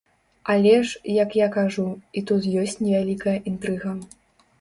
Але ж, як я кажу, і тут ёсць невялікая інтрыга.